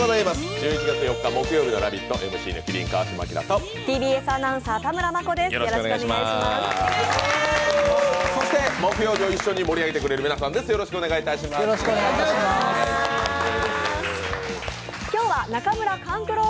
１１月４日木曜日の「ラヴィット！」、ＭＣの麒麟・川島明とＴＢＳアナウンサー、田村真子です。